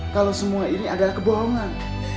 kalau semua ini adalah kebohongan